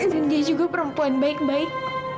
dan dia juga perempuan baik baik